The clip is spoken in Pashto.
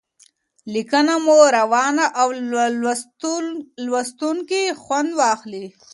لیکنه مو روانه او له لوستونکي خوند واخلي.